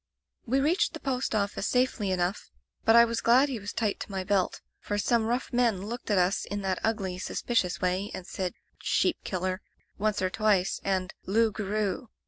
"We reached the post office safely enough, but I was glad he was tight to my belt, for some rough men looked at us in that ugly, suspicious way and said 'sheep killer' once or twice, and 'loup garou.'